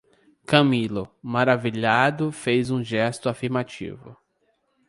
Camilo, maravilhado, fez um gesto afirmativo.